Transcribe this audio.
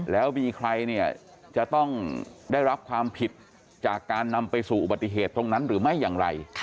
แล้วมีใครเนี่ยจะต้องได้รับความผิดจากการนำไปสู่อุบัติเหตุตรงนั้นหรือไม่อย่างไร